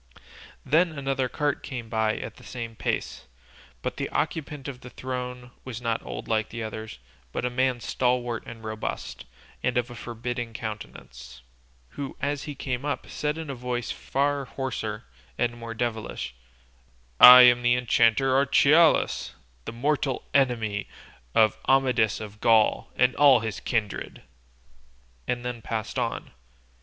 Then another cart came by at the same pace, but the occupant of the throne was not old like the others, but a man stalwart and robust, and of a forbidding countenance, who as he came up said in a voice far hoarser and more devilish, "I am the enchanter Archelaus, the mortal enemy of Amadis of Gaul and all his kindred," and then passed on.